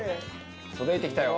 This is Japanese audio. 届いてきたよ。